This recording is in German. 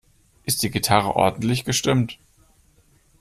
Ist die Gitarre ordentlich gestimmt?